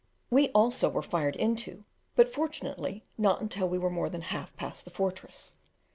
We also were fired into, but fortunately not until we were more than half past the fortress.